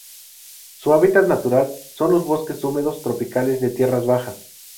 Su hábitat natural son los bosques húmedos tropicales de tierras bajas